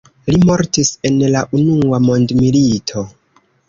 Li mortis en la unua mondmilito.